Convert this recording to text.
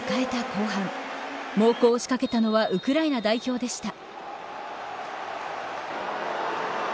後半猛攻を仕掛けたのはウクライナ代表でした。